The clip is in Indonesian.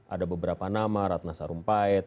ada beberapa nama ratna sarumpait